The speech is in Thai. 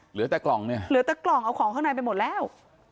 เหลือแต่กล่องเนี่ยเหลือแต่กล่องเอาของข้างในไปหมดแล้ว